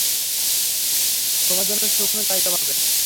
ঘুমানোর জন্য শুকনো জায়গা পাবে।